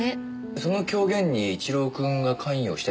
その狂言に一郎くんが関与してたんすか？